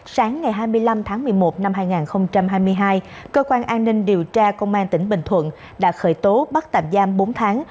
sáng ngày hai mươi năm tháng một mươi một năm hai nghìn hai mươi hai cơ quan an ninh điều tra công an tỉnh bình thuận đã khởi tố bắt tạm giam bốn tháng